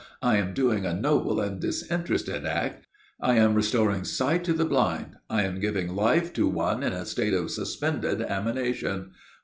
"I am doing a noble and disinterested act. I am restoring sight to the blind. I am giving life to one in a state of suspended animation.